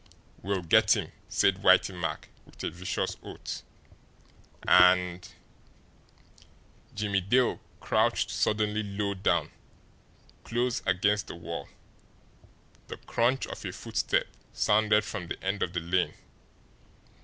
"We'll get him!" said Whitey Mack, with a vicious oath. "And " Jimmie Dale crouched suddenly low down, close against the wall. The crunch of a footstep sounded from the end of the lane.